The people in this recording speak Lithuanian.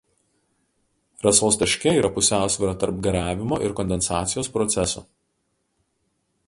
Rasos taške yra pusiausvyra tarp garavimo ir kondensacijos procesų.